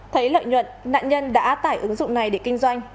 thấy lợi nhuận nạn nhân đã tải ứng dụng này để kinh doanh